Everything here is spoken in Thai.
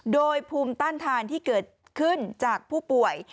โดยภูมิต้านทานที่เกิดขึ้นจากผู้ป่วย